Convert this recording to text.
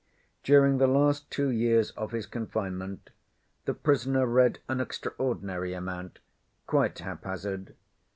During the last two years of his confinement the prisoner read an extraordinary amount, quite haphazard.